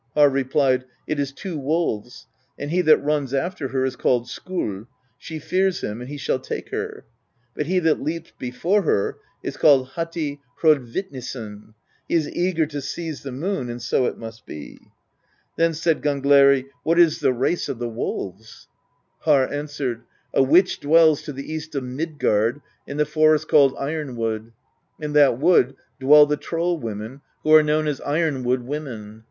Harr replied: "It is two wolves; and he that runs after her is called Skoll; she fears him, and he shall take her. But he that leaps before her is called Hati Hrodvitnisson. He is eager to seize the moon; and so it must be." Then said Gangleri: "What is the race of the 24 PROSE EDDA wolves?" Harr answered: "A witch dwells to the east of Midgard, in the forest called Ironwood : in that wood dwell the troll women, who are known as Ironwood Women.